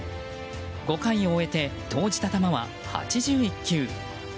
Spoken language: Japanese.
５回を終えて投じた球は８１球。